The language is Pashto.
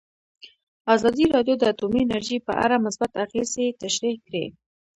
ازادي راډیو د اټومي انرژي په اړه مثبت اغېزې تشریح کړي.